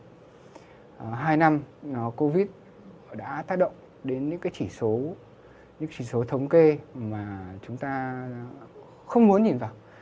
vì vậy hai năm covid đã tác động đến những chỉ số thống kê mà chúng ta không muốn nhìn vào